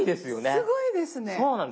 すごいですね。